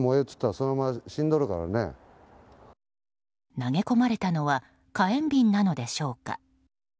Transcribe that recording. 投げ込まれたのは火炎瓶なのでしょうか。